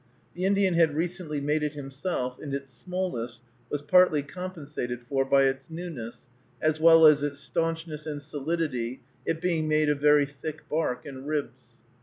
The Indian had recently made it himself, and its smallness was partly compensated for by its newness, as well as stanchness and solidity, it being made of very thick bark and ribs.